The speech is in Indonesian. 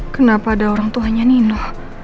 kenapa ada orang tuanya nino